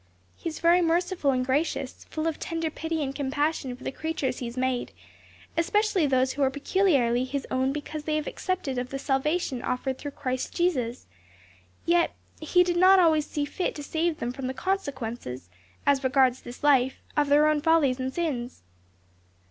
"He is very merciful and gracious, full of tender pity and compassion for the creatures He has made; especially those who are peculiarly His own because they have accepted of the salvation offered through Christ Jesus; yet He does not always see fit to save them from the consequences, as regards this life, of their own follies and sins."